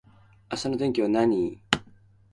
明日の天気は何